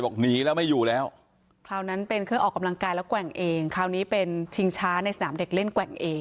คราวนั้นเป็นเครื่องออกกำลังกายและแกว่งเองคราวนี้จะเป็นชิงช้าในสนามเด็กเล่นแกว่งเอง